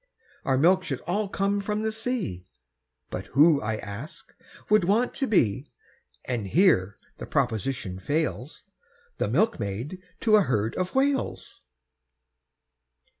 Our milk should all come from the sea, But who, I ask, would want to be, And here the proposition fails, The milkmaid to a herd of Whales?